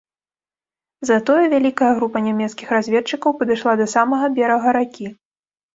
Затое вялікая група нямецкіх разведчыкаў падышла да самага берага ракі.